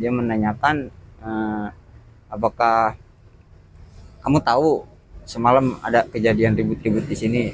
dia menanyakan apakah kamu tahu semalam ada kejadian ribut ribut di sini